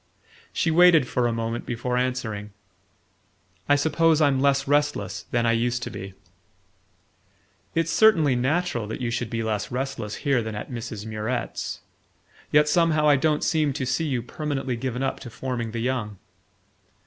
She waited for a moment before answering: "I suppose I'm less restless than I used to be." "It's certainly natural that you should be less restless here than at Mrs. Murrett's; yet somehow I don't seem to see you permanently given up to forming the young."